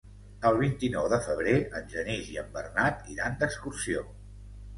El vint-i-nou de febrer en Genís i en Bernat iran d'excursió.